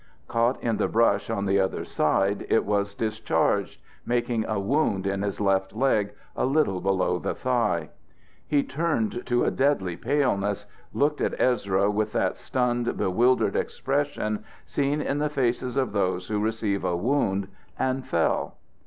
Caught in the brush on the other side, it was discharged, making a wound in his left leg a little below the thigh. He turned to a deadly paleness, looked at Ezra with that stunned, bewildered expression seen in the faces of those who receive a wound, and fell.